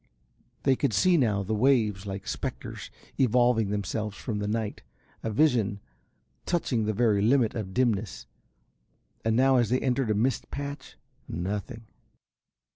They could see, now, the waves like spectres evolving themselves from the night, a vision touching the very limit of dimness, and now as they entered a mist patch nothing.